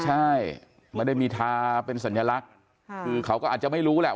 ใช่ไม่ได้มีทาเป็นสัญลักษณ์คือเขาก็อาจจะไม่รู้แหละ